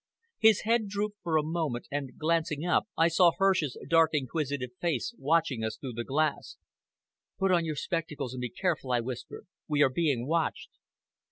His head drooped for a moment, and, glancing up, I saw Hirsch's dark inquisitive face watching us through the glass. "Put on your spectacles and be careful," I whispered. "We are being watched."